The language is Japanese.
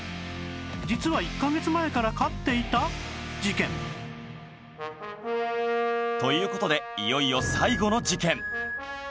実は１カ月前から勝っていた！？事件という事でいよいよ最後の事件